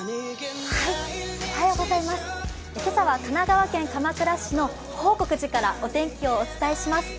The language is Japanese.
今朝は神奈川県鎌倉市の報国寺からお天気をお伝えします。